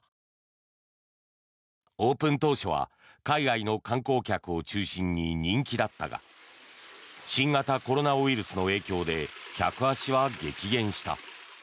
オープン当初は海外の観光客を中心に人気だったが新型コロナウイルスの影響で客足は激減した。